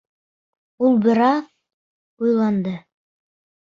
— Ул бер аҙ уйланды.